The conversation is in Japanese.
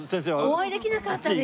お会いできなかったですよ。